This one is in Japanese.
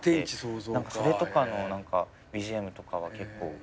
それとかのＢＧＭとかは結構。